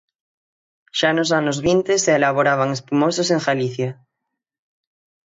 Xa nos anos vinte se elaboraban espumosos en Galicia.